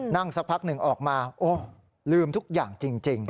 สักพักหนึ่งออกมาโอ้ลืมทุกอย่างจริง